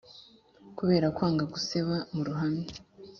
Kubera kwanga guseba muruhame